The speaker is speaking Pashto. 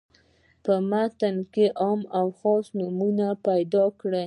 په متن کې عام او خاص نومونه پیداکړي.